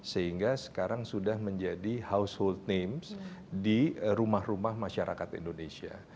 sehingga sekarang sudah menjadi household names di rumah rumah masyarakat indonesia